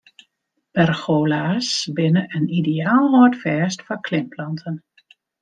Pergola's binne in ideaal hâldfêst foar klimplanten.